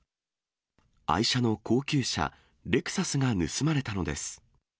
愛車の高級車、レクサスが盗まれたのです。